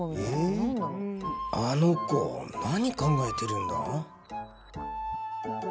あの子、何考えてるんだ？